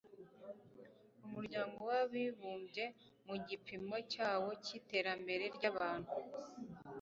Umuryango w Abibumbye mu gipimo cyawo k iterambere ry abantu